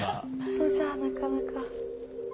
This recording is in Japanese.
人じゃなかなか。